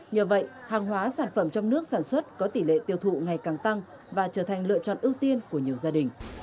nhờ vậy hàng hóa sản phẩm trong nước sản xuất có tỷ lệ tiêu thụ ngày càng tăng và trở thành lựa chọn ưu tiên của nhiều gia đình